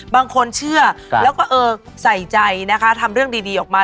บางคนเชื่อแล้วก็เออใส่ใจนะคะทำเรื่องดีออกมา